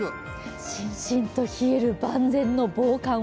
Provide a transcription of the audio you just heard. しんしんと冷える、万全の防寒を。